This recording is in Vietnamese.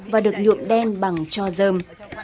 và được nhuộm đen bằng cho dơm